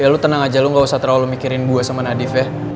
ya lu tenang aja lo gak usah terlalu mikirin gue sama nadif ya